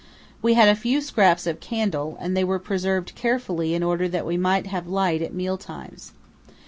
We had a few scraps of candle, and they were preserved carefully in order that we might have light at meal times.